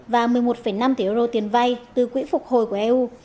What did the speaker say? và một mươi một năm tỷ euro tiền vay từ quỹ phục hồi của eu